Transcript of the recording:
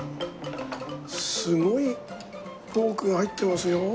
すごいポークが入ってますよ！